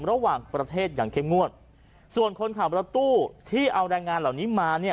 ระหว่างประเทศอย่างเข้มงวดส่วนคนขับรถตู้ที่เอาแรงงานเหล่านี้มาเนี่ย